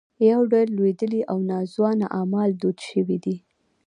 یو ډول لوېدلي او ناځوانه اعمال دود شوي دي.